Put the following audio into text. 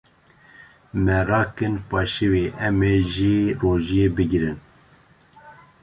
Me rakin paşîvê em ê jî rojiyê bigrin.